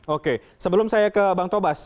oke sebelum saya ke bang tobas